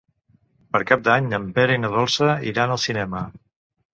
Per Cap d'Any en Pere i na Dolça iran al cinema.